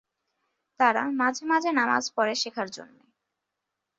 তারা মাঝে মাঝে নামায পড়ে শেখার জন্য।